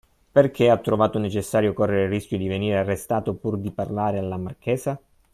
Perché ha trovato necessario correre il rischio di venire arrestato, pur di parlare alla marchesa?